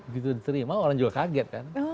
begitu diterima orang juga kaget kan